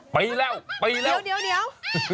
ปีแล้วปีแล้วเดี๋ยว